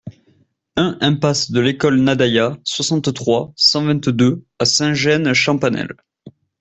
un impasse de l'École Nadaillat, soixante-trois, cent vingt-deux à Saint-Genès-Champanelle